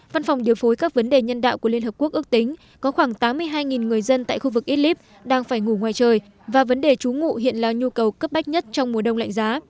văn phòng điều phối các vấn đề nhân đạo của liên hợp quốc ước tính có khoảng tám mươi hai người dân tại khu vực idlib đang phải ngủ ngoài trời và vấn đề trú ngụ hiện là nhu cầu cấp bách nhất trong mùa đông lạnh giá